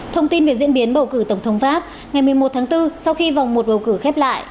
thông tin về diễn biến bầu cử tổng thống pháp ngày một mươi một tháng bốn sau khi vòng một bầu cử khép lại